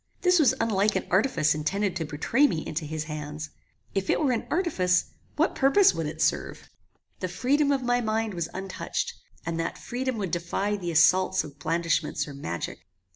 This was unlike an artifice intended to betray me into his hands. If it were an artifice, what purpose would it serve? The freedom of my mind was untouched, and that freedom would defy the assaults of blandishments or magic.